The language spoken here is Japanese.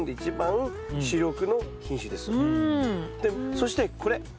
そしてこれ。